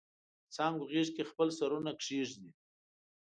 دڅانګو غیږ کې خپل سرونه کښیږدي